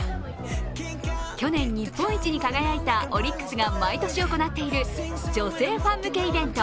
去年日本一に輝いたオリックスが毎年行っている女性ファン向けイベント